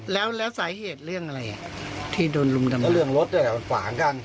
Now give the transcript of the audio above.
แล้วแล้วสายเหตุเรื่องอะไรที่โดนรุ่นกำลังแล้วเรื่องรถเนี่ยมันฝากกัน